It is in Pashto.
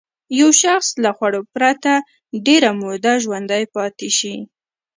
یو شخص له خوړو پرته ډېره موده ژوندی پاتې شي.